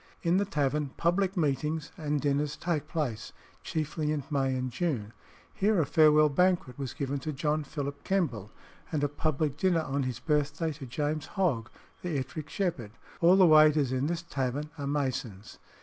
In the tavern public meetings and dinners take place, chiefly in May and June. Here a farewell banquet was given to John Philip Kemble, and a public dinner on his birthday, to James Hogg, the Ettrick Shepherd. All the waiters in this tavern are Masons.